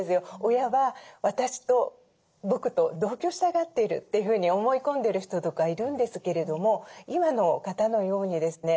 親は私と僕と同居したがってるというふうに思い込んでる人とかいるんですけれども今の方のようにですね